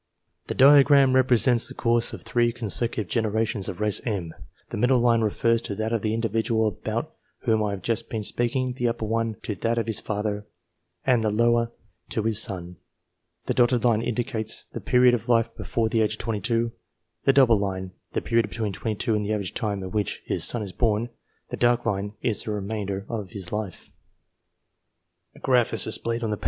The diagram represents the course of three consecutive generations of race M : the middle line refers to that of the individual about whom I have just been speaking, the upper one to that of his father, arid the lower to his son. The dotted line indicates the period of life before the age of 22 ; the double line, the period between 22 and the average time at which his son is born ; the dark line is the remainder of his life.